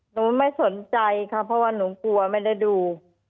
หนูไม่สนใจค่ะเพราะว่าหนูกลัวไม่ได้ดู